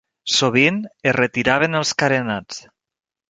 Sovint, es retiraven els carenats.